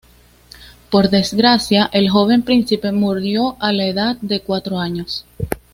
Por desgracia, el joven príncipe murió a la edad de cuatro años.